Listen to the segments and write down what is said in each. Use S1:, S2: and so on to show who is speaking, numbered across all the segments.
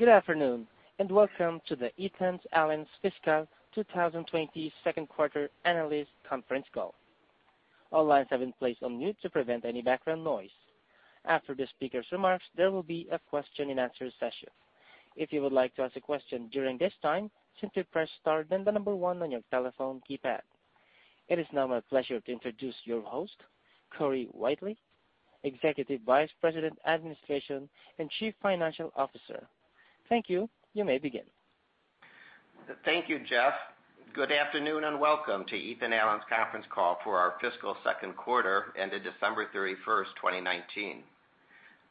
S1: Good afternoon, and welcome to the Ethan Allen's Fiscal 2020 second quarter analyst conference call. All lines have been placed on mute to prevent any background noise. After the speaker's remarks, there will be a question and answer session. If you would like to ask a question during this time, simply press star, then the number one on your telephone keypad. It is now my pleasure to introduce your host, Corey Whitely, Executive Vice President of Administration and Chief Financial Officer. Thank you. You may begin.
S2: Thank you, Jeff. Good afternoon, and welcome to Ethan Allen's conference call for our fiscal second quarter ended December 31st, 2019.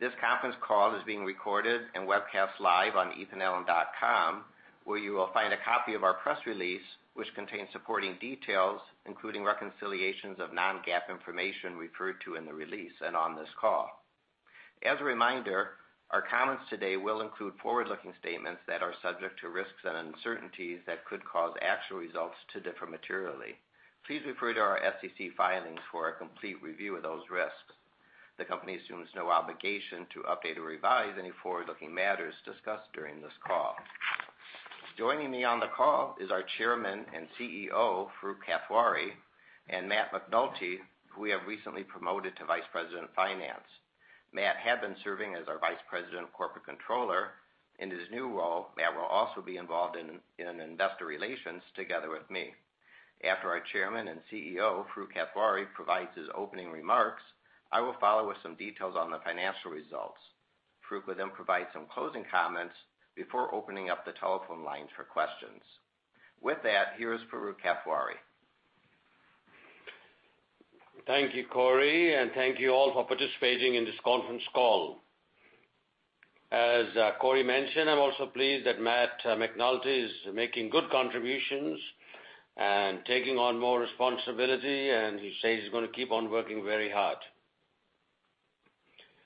S2: This conference call is being recorded and webcast live on ethanallen.com, where you will find a copy of our press release, which contains supporting details, including reconciliations of non-GAAP information referred to in the release and on this call. As a reminder, our comments today will include forward-looking statements that are subject to risks and uncertainties that could cause actual results to differ materially. Please refer to our SEC filings for a complete review of those risks. The company assumes no obligation to update or revise any forward-looking matters discussed during this call. Joining me on the call is our Chairman and CEO, Farooq Kathwari, and Matt McNulty, who we have recently promoted to Vice President of Finance. Matt had been serving as our Vice President of Corporate Controller. In his new role, Matt will also be involved in investor relations together with me. After our Chairman and CEO, Farooq Kathwari, provides his opening remarks, I will follow with some details on the financial results. Farooq will then provide some closing comments before opening up the telephone lines for questions. With that, here is Farooq Kathwari.
S3: Thank you, Corey, and thank you all for participating in this conference call. As Corey mentioned, I'm also pleased that Matt McNulty is making good contributions and taking on more responsibility, and he says he's going to keep on working very hard.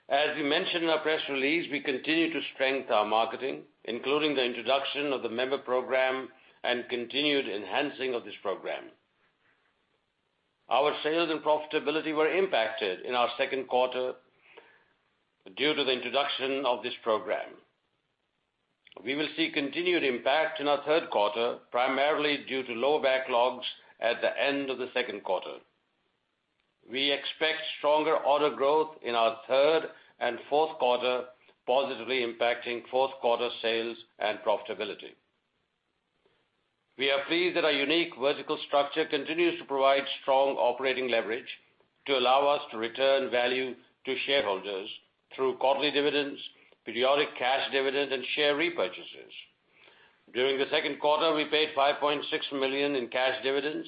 S3: As we mentioned in our press release, we continue to strengthen our marketing, including the introduction of the member program and continued enhancing of this program. Our sales and profitability were impacted in our second quarter due to the introduction of this program. We will see continued impact in our third quarter, primarily due to lower backlogs at the end of the second quarter. We expect stronger order growth in our third and fourth quarter, positively impacting fourth quarter sales and profitability. We are pleased that our unique vertical structure continues to provide strong operating leverage to allow us to return value to shareholders through quarterly dividends, periodic cash dividends, and share repurchases. During the second quarter, we paid $5.6 million in cash dividends.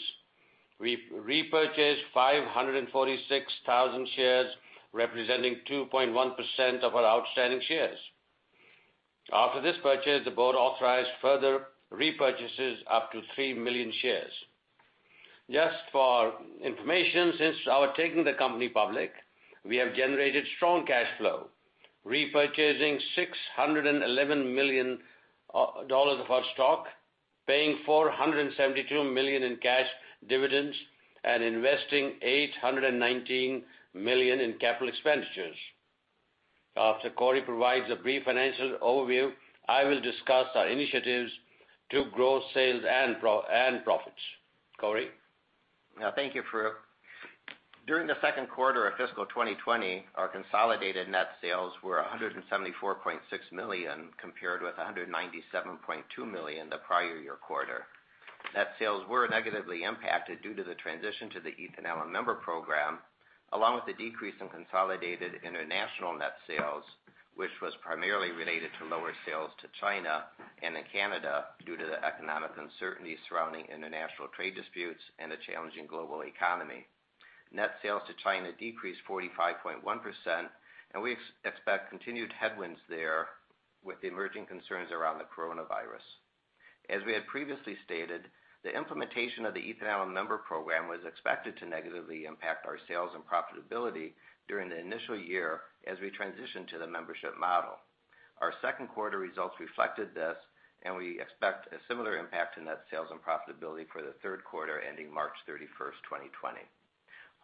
S3: We repurchased 546,000 shares, representing 2.1% of our outstanding shares. After this purchase, the board authorized further repurchases up to 3 million shares. Just for information, since our taking the company public, we have generated strong cash flow, repurchasing $611 million of our stock, paying $472 million in cash dividends, and investing $819 million in capital expenditures. After Corey provides a brief financial overview, I will discuss our initiatives to grow sales and profits. Corey?
S2: Thank you, Farooq. During the second quarter of fiscal 2020, our consolidated net sales were $174.6 million, compared with $197.2 million the prior year quarter. Net sales were negatively impacted due to the transition to the Ethan Allen Member Program, along with the decrease in consolidated international net sales, which was primarily related to lower sales to China and in Canada due to the economic uncertainty surrounding international trade disputes and a challenging global economy. Net sales to China decreased 45.1%, and we expect continued headwinds there with the emerging concerns around the coronavirus. As we had previously stated, the implementation of the Ethan Allen Member Program was expected to negatively impact our sales and profitability during the initial year as we transition to the membership model. Our second quarter results reflected this. We expect a similar impact in net sales and profitability for the third quarter ending March 31st, 2020.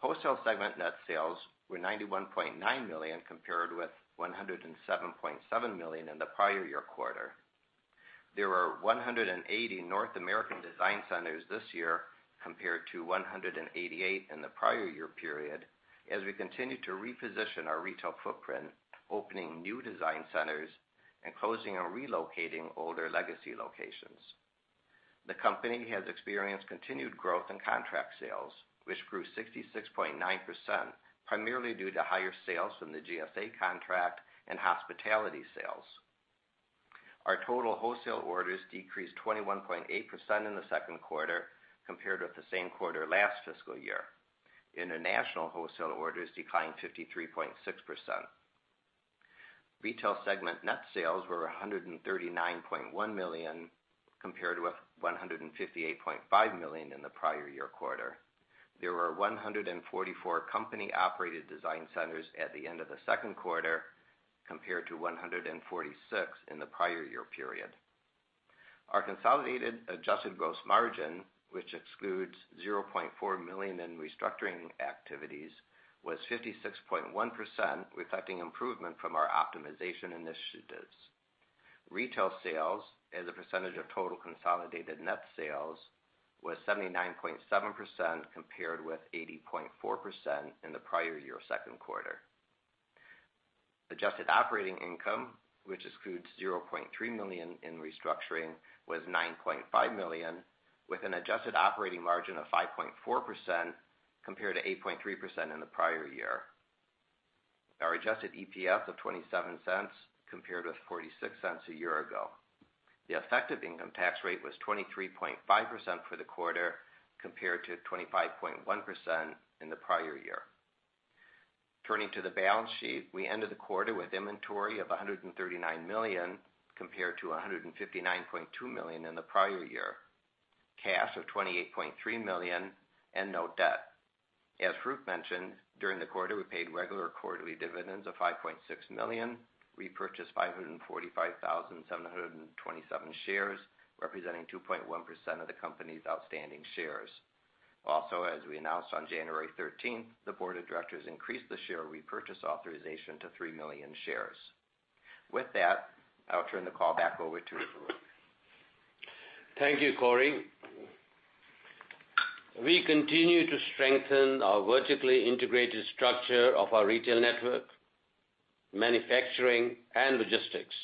S2: Wholesale segment net sales were $91.9 million compared with $107.7 million in the prior year quarter. There were 180 North American design centers this year compared to 188 in the prior year period, as we continue to reposition our retail footprint, opening new design centers and closing or relocating older legacy locations. The company has experienced continued growth in contract sales, which grew 66.9%, primarily due to higher sales from the GSA contract and hospitality sales. Our total wholesale orders decreased 21.8% in the second quarter compared with the same quarter last fiscal year. International wholesale orders declined 53.6%. Retail segment net sales were $139.1 million compared with $158.5 million in the prior year quarter. There were 144 company-operated design centers at the end of the second quarter compared to 146 in the prior year period. Our consolidated adjusted gross margin, which excludes $0.4 million in restructuring activities, was 56.1%, reflecting improvement from our optimization initiatives. Retail sales as a percentage of total consolidated net sales was 79.7%, compared with 80.4% in the prior year second quarter. Adjusted operating income, which excludes $0.3 million in restructuring, was $9.5 million, with an adjusted operating margin of 5.4%, compared to 8.3% in the prior year. Our adjusted EPS of $0.27 compared with $0.46 a year ago. The effective income tax rate was 23.5% for the quarter, compared to 25.1% in the prior year. Turning to the balance sheet, we ended the quarter with inventory of $139 million, compared to $159.2 million in the prior year. Cash of $28.3 million and no debt. As Farooq mentioned, during the quarter, we paid regular quarterly dividends of $5.6 million, repurchased 545,727 shares, representing 2.1% of the company's outstanding shares. As we announced on January 13th, the board of directors increased the share repurchase authorization to 3 million shares. With that, I'll turn the call back over to Farooq.
S3: Thank you, Corey. We continue to strengthen our vertically integrated structure of our retail network, manufacturing, and logistics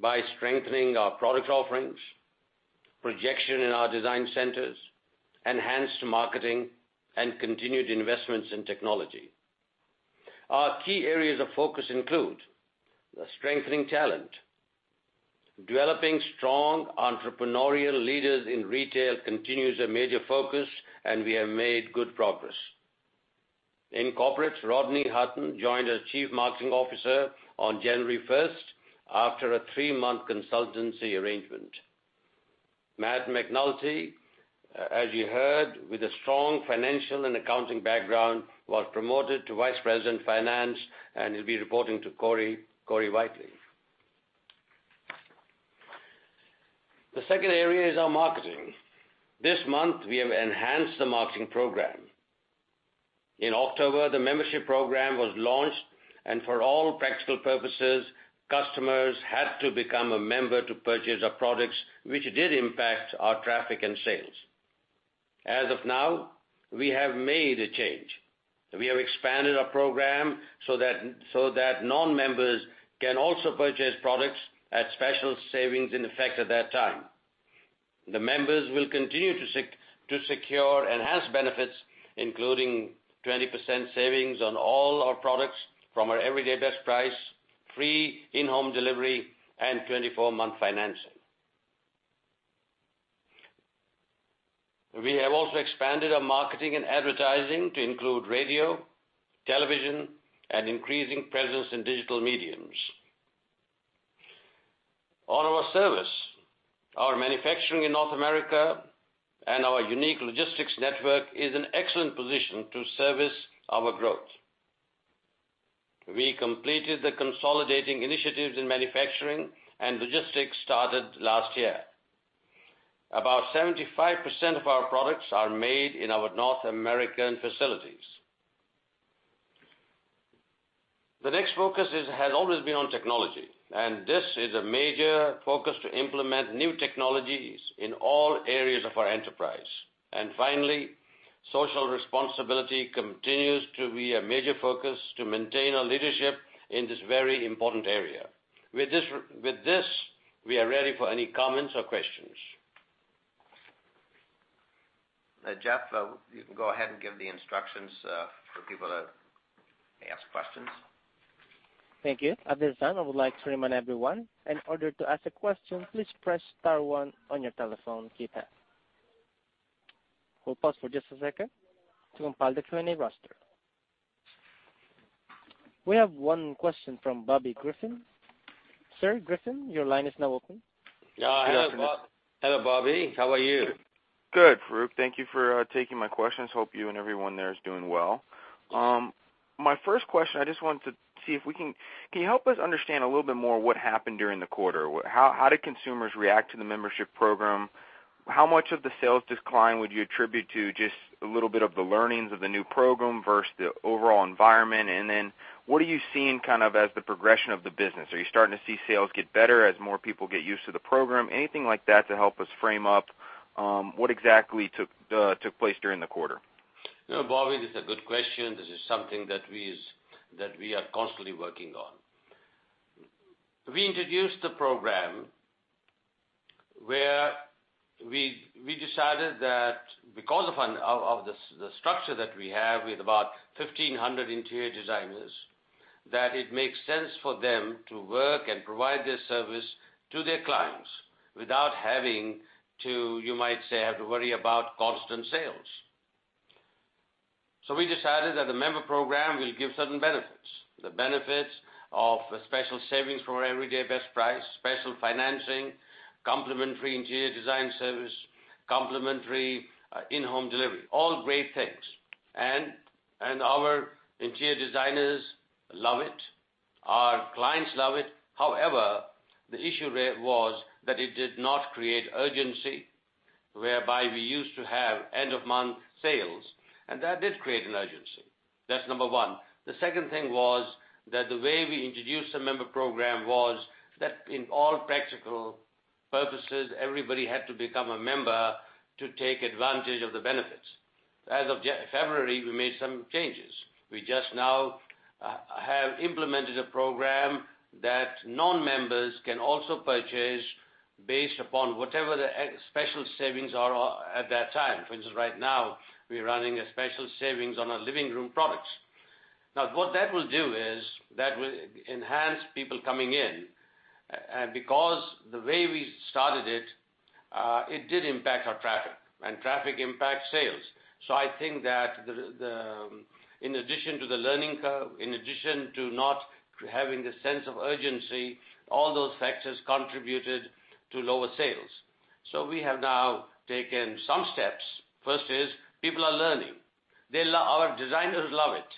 S3: by strengthening our product offerings, projection in our design centers, enhanced marketing, and continued investments in technology. Our key areas of focus include the strengthening talent, developing strong entrepreneurial leaders in retail continues a major focus, and we have made good progress. In corporate, Rodney Hutton joined as Chief Marketing Officer on January 1st, after a three-month consultancy arrangement. Matt McNulty, as you heard, with a strong financial and accounting background, was promoted to Vice President, Finance, and he'll be reporting to Corey Whitely. The second area is our marketing. This month, we have enhanced the marketing program. In October, the membership program was launched. For all practical purposes, customers had to become a member to purchase our products, which did impact our traffic and sales. As of now, we have made a change. We have expanded our program so that non-members can also purchase products at special savings in effect at that time. The members will continue to secure enhanced benefits, including 20% savings on all our products from our everyday best price, free in-home delivery, and 24-month financing. We have also expanded our marketing and advertising to include radio, television, and increasing presence in digital mediums. On our service, our manufacturing in North America, and our unique logistics network is an excellent position to service our growth. We completed the consolidating initiatives in manufacturing and logistics started last year. About 75% of our products are made in our North American facilities. The next focus has always been on technology, and this is a major focus to implement new technologies in all areas of our enterprise. Finally, social responsibility continues to be a major focus to maintain our leadership in this very important area. With this, we are ready for any comments or questions.
S2: Jeff, you can go ahead and give the instructions for people to ask questions.
S1: Thank you. At this time, I would like to remind everyone, in order to ask a question, please press star one on your telephone keypad. We'll pause for just a second to compile the Q&A roster. We have one question from Bobby Griffin. Sir, Griffin, your line is now open.
S3: Yeah. Hello, Bobby. How are you?
S4: Good, Farooq. Thank you for taking my questions. Hope you and everyone there is doing well. My first question, can you help us understand a little bit more what happened during the quarter? How did consumers react to the membership program? How much of the sales decline would you attribute to just a little bit of the learnings of the new program versus the overall environment? What are you seeing kind of as the progression of the business? Are you starting to see sales get better as more people get used to the program? Anything like that to help us frame up what exactly took place during the quarter?
S3: Bobby, this is a good question. This is something that we are constantly working on. We introduced the program where we decided that because of the structure that we have with about 1,500 interior designers, that it makes sense for them to work and provide this service to their clients without having to, you might say, have to worry about constant sales. We decided that the member program will give certain benefits. The benefits of special savings from our everyday best price, special financing, complimentary interior design service, complimentary in-home delivery, all great things. Our interior designers love it. Our clients love it. However, the issue was that it did not create urgency whereby we used to have end-of-month sales, and that did create an urgency. That's number 1. The second thing was that the way we introduced the member program was that in all practical purposes, everybody had to become a member to take advantage of the benefits. As of February, we made some changes. We just now have implemented a program that non-members can also purchase based upon whatever the special savings are at that time. For instance, right now, we're running a special savings on our living room products. Now, what that will do is, that will enhance people coming in. Because the way we started it did impact our traffic, and traffic impacts sales. I think that in addition to the learning curve, in addition to not having the sense of urgency, all those factors contributed to lower sales. We have now taken some steps. First is, people are learning. Our designers love it.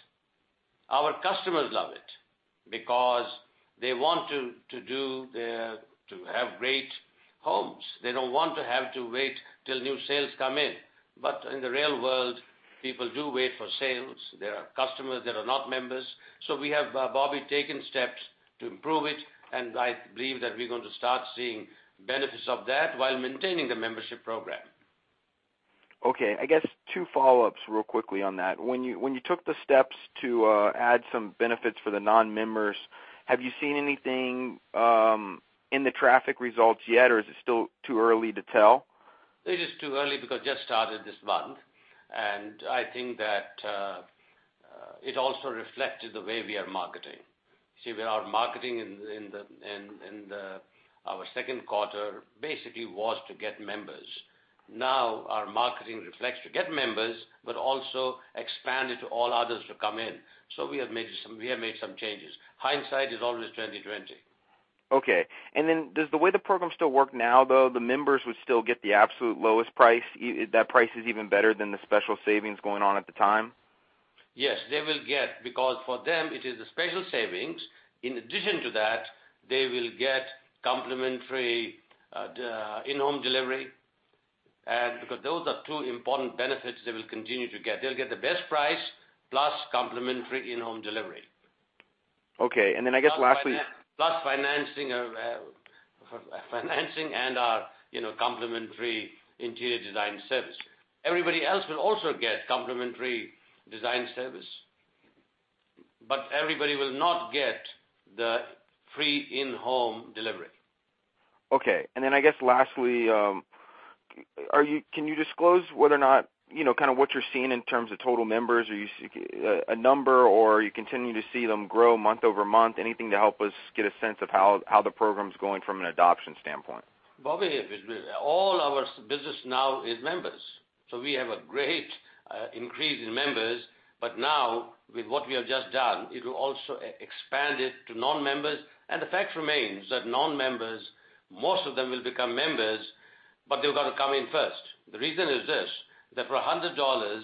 S3: Our customers love it because they want to have great homes. They don't want to have to wait till new sales come in. In the real world, people do wait for sales. There are customers that are not members. We have, Bobby, taken steps to improve it, and I believe that we're going to start seeing benefits of that while maintaining the membership program.
S4: Okay, I guess two follow-ups real quickly on that. When you took the steps to add some benefits for the non-members, have you seen anything in the traffic results yet, or is it still too early to tell?
S3: It is too early because just started this month. I think that it also reflected the way we are marketing. See, our marketing in our second quarter basically was to get members. Now our marketing reflects to get members, but also expand it to all others to come in. We have made some changes. Hindsight is always 20/20.
S4: Okay. Does the way the program still work now, though, the members would still get the absolute lowest price? That price is even better than the special savings going on at the time?
S3: Yes, they will get, because for them, it is a special savings. In addition to that, they will get complimentary in-home delivery. Because those are two important benefits they will continue to get. They'll get the best price plus complimentary in-home delivery.
S4: Okay, I guess lastly.
S3: Plus financing and our complimentary interior design service. Everybody else will also get complimentary design service. Everybody will not get the free in-home delivery.
S4: Okay. Then I guess lastly, can you disclose whether or not, kind of what you're seeing in terms of total members? A number or you continue to see them grow month-over-month? Anything to help us get a sense of how the program's going from an adoption standpoint?
S3: Bobby, all our business now is members. We have a great increase in members, but now with what we have just done, it will also expand it to non-members. The fact remains that non-members, most of them will become members, but they've got to come in first. The reason is this: that for $100,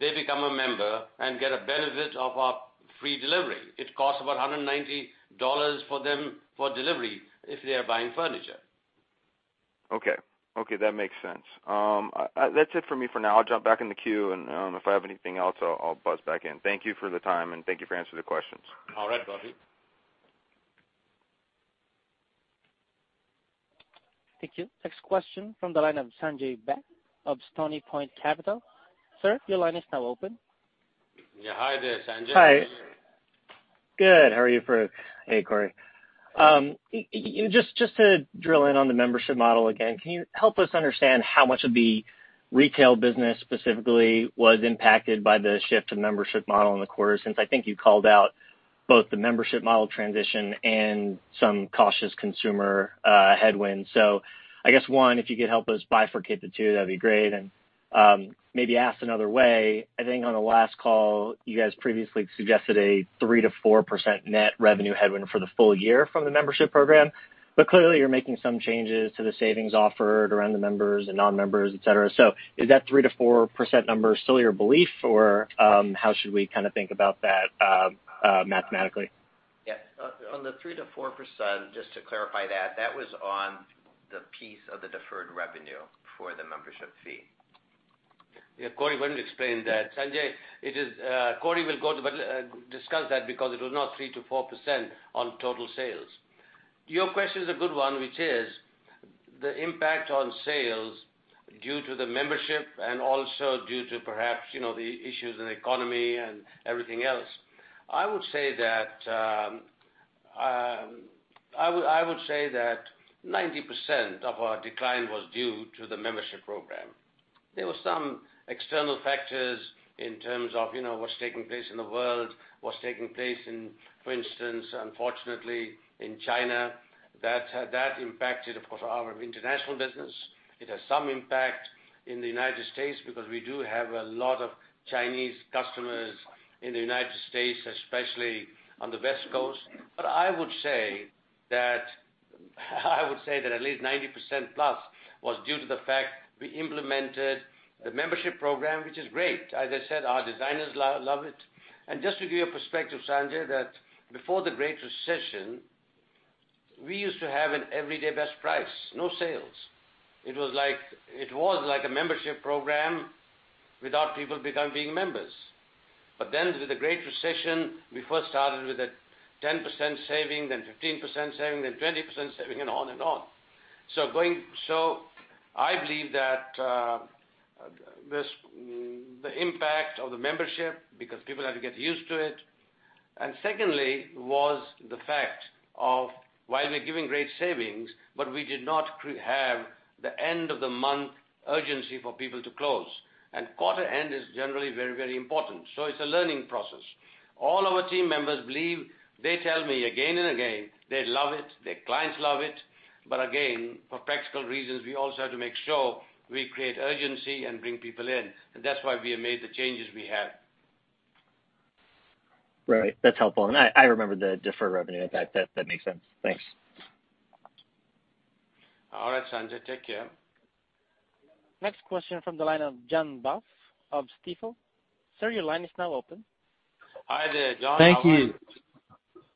S3: they become a member and get a benefit of our free delivery. It costs about $190 for them for delivery if they are buying furniture.
S4: Okay. Okay, that makes sense. That's it for me for now. I'll jump back in the queue, and if I have anything else, I'll buzz back in. Thank you for the time, and thank you for answering the questions.
S3: All right, Bobby.
S1: Thank you. Next question from the line of Sanjay Bhatt of Stony Point Capital. Sir, your line is now open.
S3: Yeah. Hi there, Sanjay. How are you?
S5: Hi. Good. How are you, Farooq? Hey, Corey. Just to drill in on the membership model again, can you help us understand how much of the retail business specifically was impacted by the shift to membership model in the quarter since I think you called out both the membership model transition and some cautious consumer headwinds. I guess, one, if you could help us bifurcate the two, that'd be great. Maybe asked another way, I think on the last call, you guys previously suggested a 3%-4% net revenue headwind for the full year from the membership program. Clearly, you're making some changes to the savings offered around the members and non-members, et cetera. Is that 3%-4% number still your belief, or how should we kind of think about that mathematically?
S2: Yeah. On the 3%-4%, just to clarify that was on the piece of the deferred revenue for the membership fee.
S3: Yeah. Corey went and explained that. Sanjay, Corey will discuss that because it was not 3%-4% on total sales. Your question is a good one, which is the impact on sales due to the membership and also due to perhaps the issues in the economy and everything else. I would say that 90% of our decline was due to the membership program. There were some external factors in terms of what's taking place in the world, what's taking place in, for instance, unfortunately, in China. That impacted, of course, our international business. It has some impact in the United States because we do have a lot of Chinese customers in the United States, especially on the West Coast. But I would say that at least 90% plus was due to the fact we implemented the membership program, which is great. As I said, our designers love it. Just to give you a perspective, Sanjay, that before the Great Recession, we used to have an everyday best price, no sales. It was like a membership program without people being members. With the Great Recession, we first started with a 10% saving, then 15% saving, then 20% saving, and on and on. I believe that the impact of the membership, because people have to get used to it, and secondly was the fact of while we're giving great savings, but we did not have the end-of-the-month urgency for people to close. Quarter end is generally very, very important. It's a learning process. All our team members believe, they tell me again and again, they love it, their clients love it. Again, for practical reasons, we also have to make sure we create urgency and bring people in. That's why we have made the changes we have.
S5: Right. That's helpful. I remember the deferred revenue. That makes sense. Thanks.
S3: All right, Sanjay. Take care.
S1: Next question from the line of John Baugh of Stifel. Sir, your line is now open.
S3: Hi there, John. How are you?
S6: Thank you.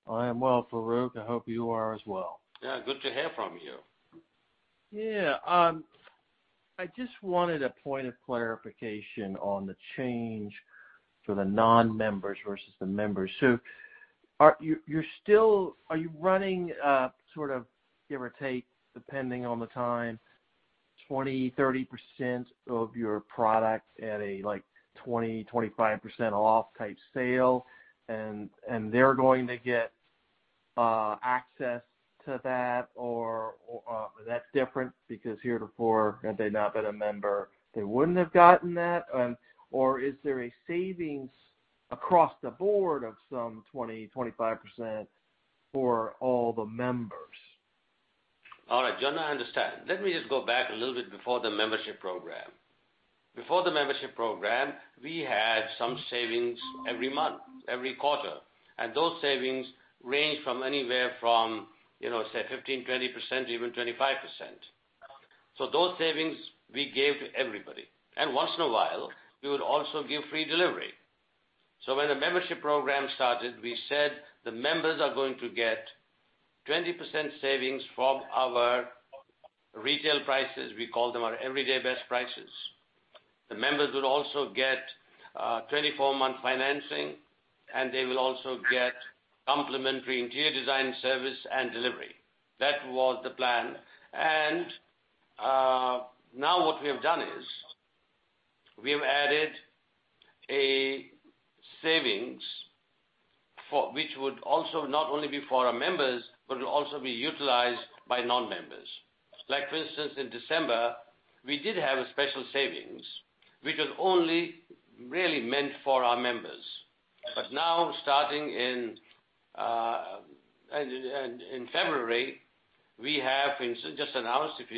S6: I am well, Farooq. I hope you are as well.
S3: Yeah. Good to hear from you.
S6: Yeah. I just wanted a point of clarification on the change for the non-members versus the members. Are you running sort of give or take, depending on the time, 20%-30% of your product at a 20%-25% off type sale? They're going to get access to that or that's different because heretofore, had they not been a member, they wouldn't have gotten that? Is there a savings across the board of some 20%-25% for all the members?
S3: All right, John, I understand. Let me just go back a little bit before the membership program. Before the membership program, we had some savings every month, every quarter, and those savings range from anywhere from, say, 15%, 20%, even 25%. Those savings we gave to everybody. Once in a while, we would also give free delivery. When the membership program started, we said the members are going to get 20% savings from our retail prices. We call them our everyday best prices. The members will also get a 24-month financing, and they will also get complimentary interior design service and delivery. That was the plan. Now what we have done is we have added a savings which would also not only be for our members, but will also be utilized by non-members. For instance, in December, we did have a special savings, which was only really meant for our members. Now starting in February, we have just announced, if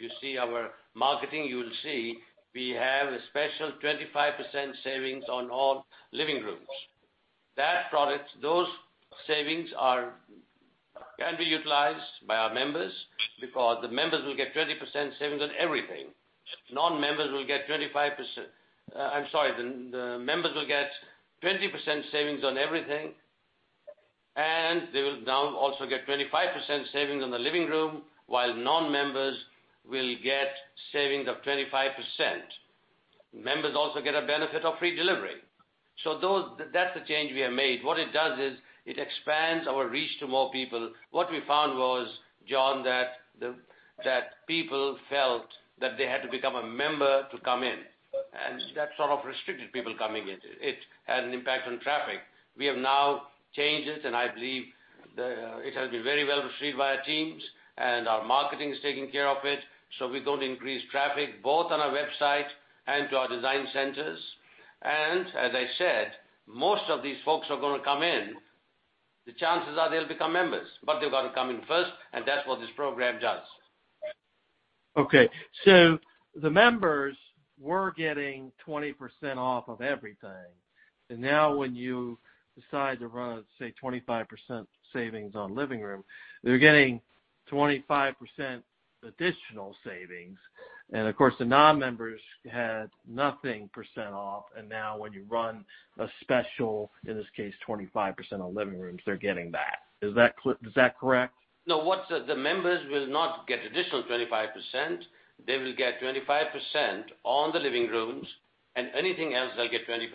S3: you see our marketing, you will see we have a special 25% savings on all living rooms. Those savings can be utilized by our members because the members will get 20% savings on everything. Non-members will get 25% I'm sorry. The members will get 20% savings on everything, and they will now also get 25% savings on the living room, while non-members will get savings of 25%. Members also get a benefit of free delivery. That's the change we have made. What it does is it expands our reach to more people. What we found was, John, that people felt that they had to become a member to come in, and that sort of restricted people coming in. It had an impact on traffic. We have now changed it, and I believe it has been very well received by our teams, and our marketing is taking care of it. We're going to increase traffic both on our website and to our design centers. As I said, most of these folks are going to come in. The chances are they'll become members, but they've got to come in first, and that's what this program does.
S6: Okay. The members were getting 20% off of everything. Now when you decide to run, say, 25% savings on living room, they're getting 25% additional savings. Of course, the non-members had nothing percent off. Now when you run a special, in this case, 25% on living rooms, they're getting that. Is that correct?
S3: No. The members will not get additional 25%. They will get 25% on the living rooms and anything else, they'll get 20%.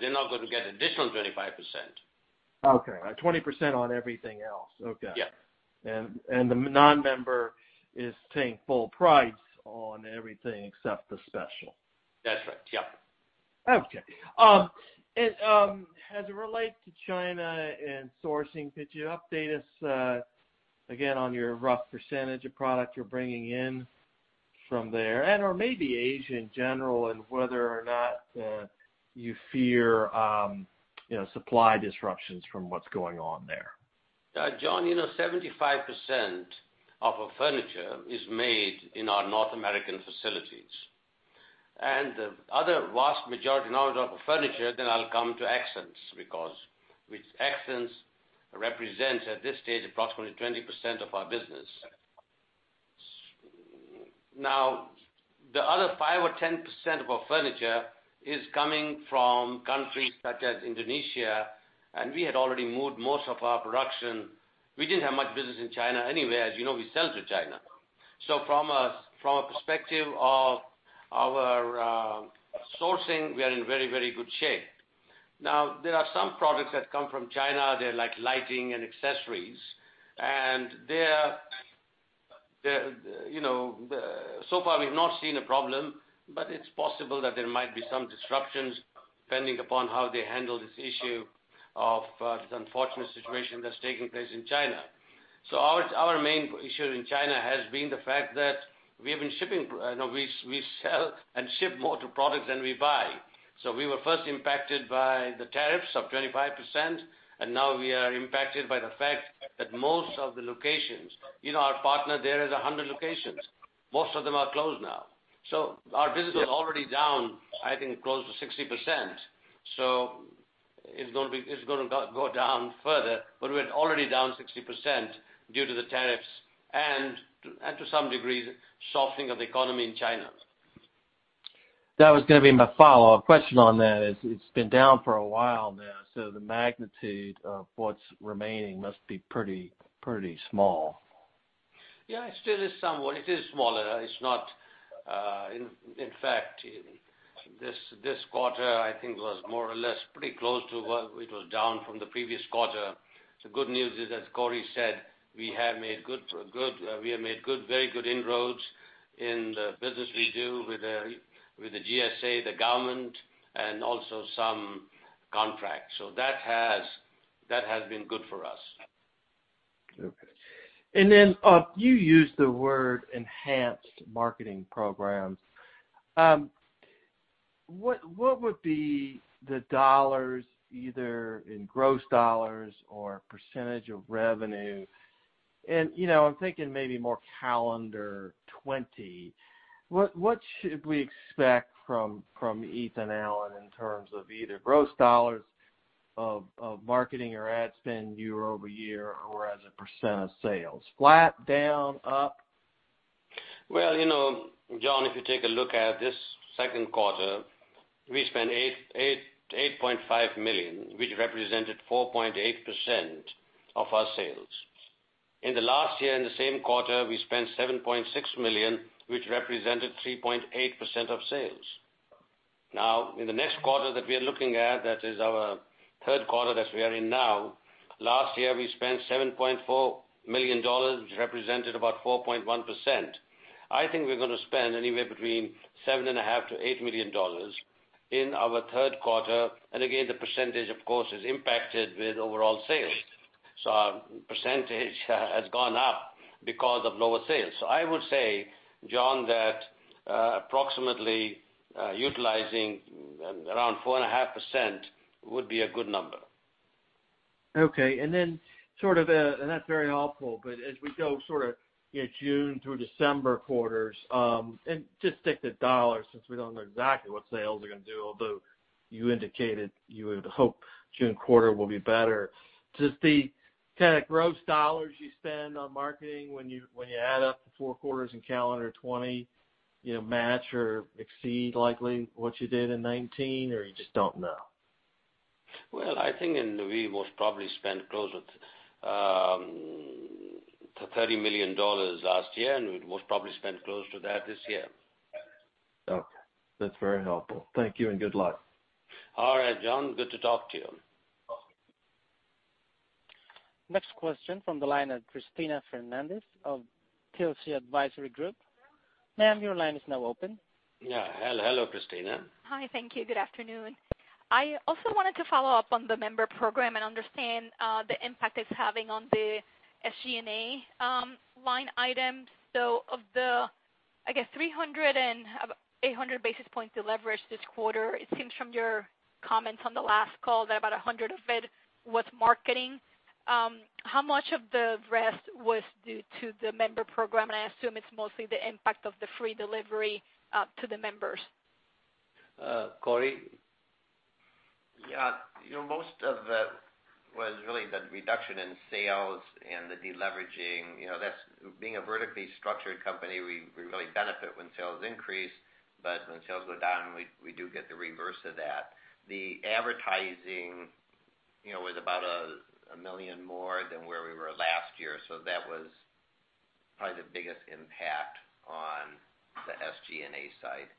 S3: They're not going to get additional 25%.
S6: Okay. 20% on everything else. Okay.
S3: Yes.
S6: The non-member is paying full price on everything except the special.
S3: That's right. Yep.
S6: Okay. As it relates to China and sourcing, could you update us again on your rough percentage of product you're bringing in from there? Maybe Asia in general and whether or not you fear supply disruptions from what's going on there?
S3: John, 75% of our furniture is made in our North American facilities. The other vast majority, in other words, of furniture, then I'll come to accents, because with accents represents at this stage approximately 20% of our business. Now, the other 5% or 10% of our furniture is coming from countries such as Indonesia, and we had already moved most of our production. We didn't have much business in China anyway, as you know, we sell to China. From a perspective of our sourcing, we are in very good shape. Now, there are some products that come from China, they're like lighting and accessories. So far we've not seen a problem, but it's possible that there might be some disruptions depending upon how they handle this issue of this unfortunate situation that's taking place in China. Our main issue in China has been the fact that we sell and ship more to products than we buy. We were first impacted by the tariffs of 25%, and now we are impacted by the fact that most of the locations, our partner there has 100 locations. Most of them are closed now. Our business is already down, I think, close to 60%. It's going to go down further. We're already down 60% due to the tariffs and to some degree, the softening of the economy in China.
S6: That was going to be my follow-up question on that. It's been down for a while now, so the magnitude of what's remaining must be pretty small.
S3: Yeah, it still is somewhat. It is smaller. In fact, this quarter, I think, was more or less pretty close to what it was down from the previous quarter. The good news is, as Corey said, we have made very good inroads in the business we do with the GSA, the government, and also some contracts. That has been good for us.
S6: Okay. You used the word enhanced marketing programs. What would be the dollars, either in gross dollars or percentage of revenue? I'm thinking maybe more calendar 2020. What should we expect from Ethan Allen in terms of either gross dollars of marketing or ad spend year-over-year or as a percent of sales? Flat, down, up?
S3: Well, John, if you take a look at this second quarter, we spent $8.5 million, which represented 4.8% of our sales. In the last year, in the same quarter, we spent $7.6 million, which represented 3.8% of sales. Now, in the next quarter that we are looking at, that is our third quarter that we are in now, last year, we spent $7.4 million, which represented about 4.1%. I think we're going to spend anywhere between $7.5 million-$8 million in our third quarter. Again, the percentage, of course, is impacted with overall sales. Our percentage has gone up because of lower sales. I would say, John, that approximately utilizing around 4.5% would be a good number.
S6: Okay. That's very helpful, but as we go June through December quarters, and just stick to dollars since we don't know exactly what sales are going to do, although you indicated you would hope June quarter will be better. Just the kind of gross dollars you spend on marketing when you add up the four quarters in calendar 2020 match or exceed likely what you did in 2019, or you just don't know?
S3: Well, I think, and we most probably spent closer to $30 million last year, and we most probably spent close to that this year.
S6: Okay. That's very helpful. Thank you, and good luck.
S3: All right, John. Good to talk to you.
S1: Next question from the line of Cristina Fernández of Telsey Advisory Group. Ma'am, your line is now open.
S3: Yeah. Hello, Cristina.
S7: Hi. Thank you. Good afternoon. I also wanted to follow up on the member program and understand the impact it's having on the SG&A line item. Of the, I guess, 300 and 800 basis points you leveraged this quarter, it seems from your comments on the last call that about 100 of it was marketing. How much of the rest was due to the member program? I assume it's mostly the impact of the free delivery to the members.
S3: Corey?
S2: Yeah. Most of that was really the reduction in sales and the deleveraging. Being a vertically structured company, we really benefit when sales increase. When sales go down, we do get the reverse of that. The advertising was about $1 million more than where we were last year. That was probably the biggest impact on the SG&A side.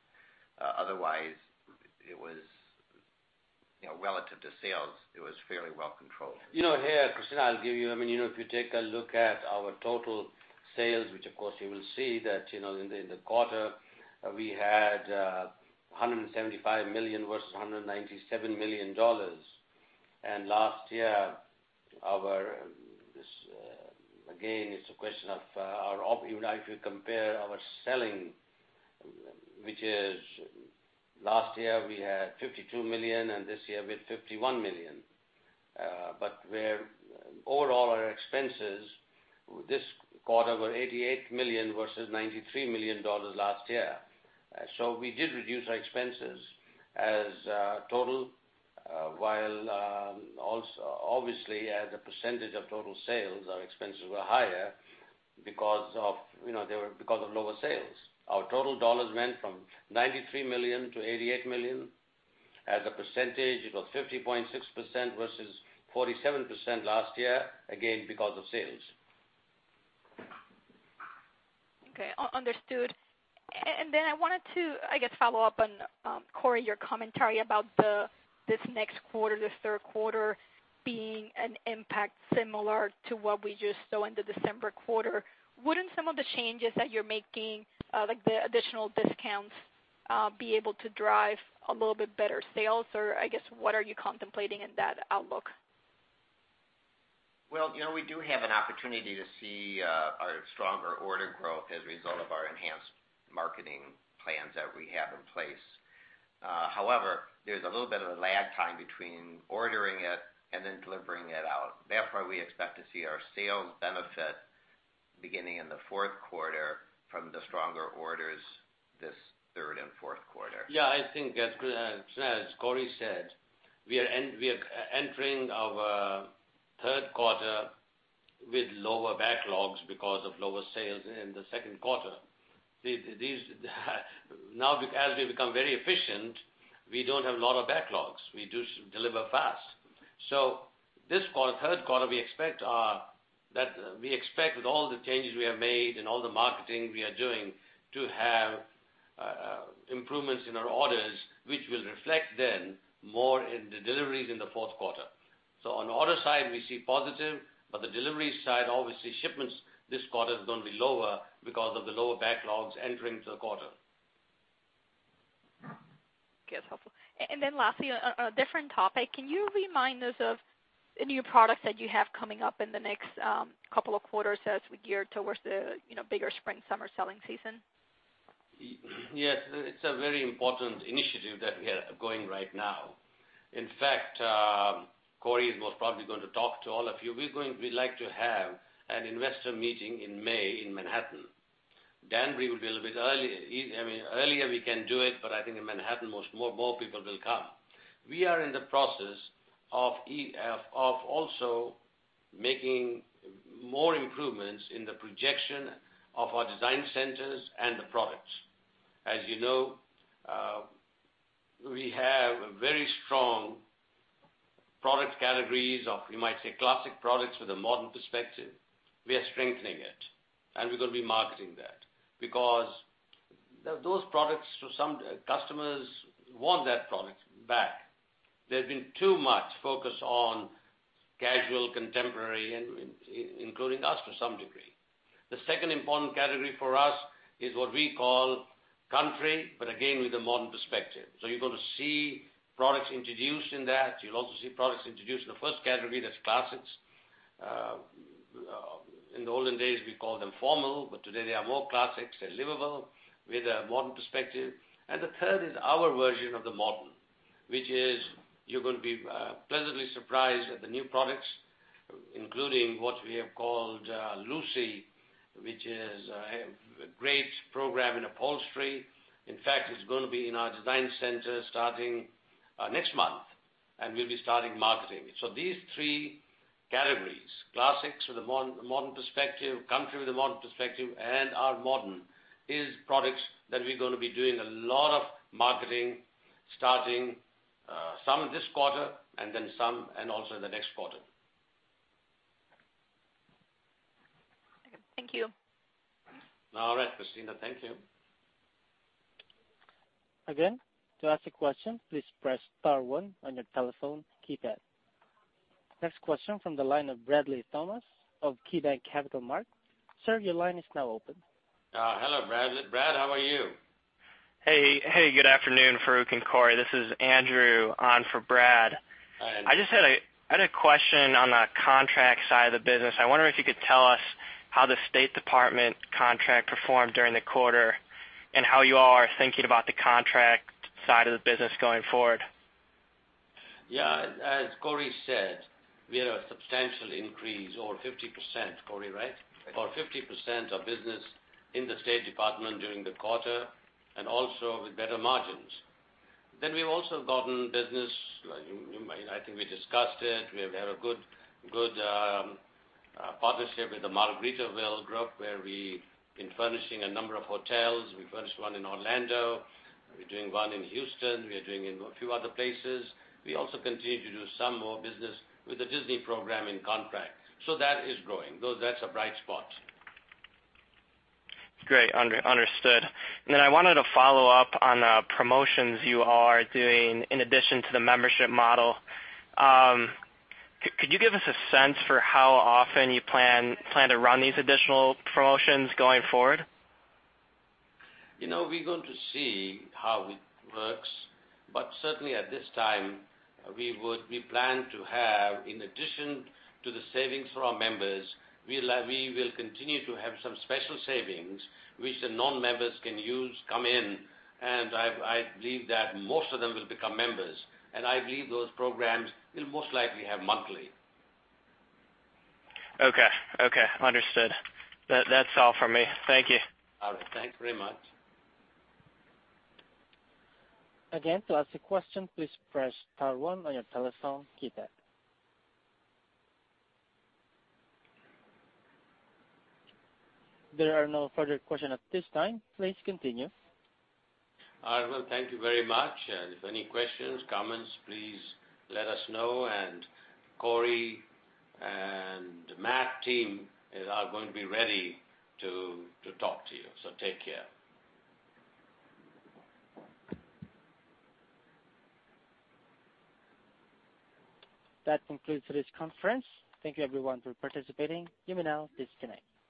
S2: Otherwise, relative to sales, it was fairly well controlled.
S3: Cristina, I'll give you If you take a look at our total sales, which of course you will see that, in the quarter, we had $175 million versus $197 million. Last year, again, it's a question of if you compare our selling, which is last year we had $52 million, and this year we had $51 million. Where overall our expenses this quarter were $88 million versus $93 million last year. We did reduce our expenses as a total, while obviously as a percentage of total sales, our expenses were higher because of lower sales. Our total dollars went from $93 million to $88 million. As a percentage, it was 50.6% versus 47% last year, again because of sales.
S7: Okay, understood. I wanted to, I guess, follow up on, Corey, your commentary about this next quarter, this third quarter being an impact similar to what we just saw in the December quarter. Wouldn't some of the changes that you're making, like the additional discounts, be able to drive a little bit better sales? I guess, what are you contemplating in that outlook?
S2: Well, we do have an opportunity to see a stronger order growth as a result of our enhanced marketing plans that we have in place. However, there's a little bit of a lag time between ordering it and then delivering it out. Therefore, we expect to see our sales benefit beginning in the fourth quarter from the stronger orders this third and fourth quarter.
S3: I think as Corey said, we are entering our third quarter with lower backlogs because of lower sales in the second quarter. As we become very efficient, we don't have a lot of backlogs. We do deliver fast. This third quarter, we expect with all the changes we have made and all the marketing we are doing to have improvements in our orders, which will reflect then more in the deliveries in the fourth quarter. On the order side, we see positive, but the delivery side, obviously shipments this quarter is going to be lower because of the lower backlogs entering the quarter.
S7: Yes, helpful. Lastly, on a different topic, can you remind us of the new products that you have coming up in the next couple of quarters as we gear towards the bigger spring-summer selling season?
S3: It's a very important initiative that we are going right now. Corey was probably going to talk to all of you. We like to have an investor meeting in May in Manhattan. Danbury will be a little bit earlier. I mean, earlier we can do it, I think in Manhattan, more people will come. We are in the process of also making more improvements in the projection of our design centers and the products. As you know, we have very strong product categories of, you might say, classic products with a modern perspective. We are strengthening it, we're going to be marketing that because those products, some customers want that product back. There's been too much focus on casual, contemporary, including us to some degree. The second important category for us is what we call country, again with a modern perspective. You're going to see products introduced in that. You'll also see products introduced in the first category, that's classics. In the olden days, we call them formal, but today they are more classics. They're livable with a modern perspective. The third is our version of the modern, which is you're going to be pleasantly surprised at the new products, including what we have called Lucy, which is a great program in upholstery. In fact, it's going to be in our design center starting next month, and we'll be starting marketing. These three categories, classics with a modern perspective, country with a modern perspective, and our modern, is products that we're going to be doing a lot of marketing starting some this quarter and then some and also in the next quarter.
S7: Thank you.
S3: All right, Cristina. Thank you.
S1: Again, to ask a question, please press star one on your telephone keypad. Next question from the line of Bradley Thomas of KeyBanc Capital Markets. Sir, your line is now open.
S3: Hello, Bradley. Brad, how are you?
S8: Hey, good afternoon, Farooq and Corey. This is Andrew on for Brad.
S3: Hi, Andrew.
S8: I just had a question on the contract side of the business. I wonder if you could tell us how the State Department contract performed during the quarter, and how you all are thinking about the contract side of the business going forward?
S3: Yeah. As Corey said, we had a substantial increase, over 50%, Corey, right?
S2: Right.
S3: Over 50% of business in the State Department during the quarter, also with better margins. We've also gotten business, I think we discussed it. We have a good partnership with the Margaritaville group, where we've been furnishing a number of hotels. We furnished one in Orlando. We're doing one in Houston. We are doing in a few other places. We also continue to do some more business with the Disney program in contract. That is growing. That's a bright spot.
S8: Great. Understood. Then I wanted to follow up on promotions you all are doing in addition to the membership model. Could you give us a sense for how often you plan to run these additional promotions going forward?
S3: We're going to see how it works. Certainly at this time, we plan to have, in addition to the savings for our members, we will continue to have some special savings which the non-members can use, come in, and I believe that most of them will become members. I believe those programs we'll most likely have monthly.
S8: Okay. Understood. That's all for me. Thank you.
S3: All right. Thanks very much.
S1: Again, to ask a question, please press star one on your telephone keypad. There are no further questions at this time. Please continue.
S3: All right. Well, thank you very much. If any questions, comments, please let us know, and Corey and Matt team are going to be ready to talk to you. Take care.
S1: That concludes today's conference. Thank you everyone for participating. You may now disconnect.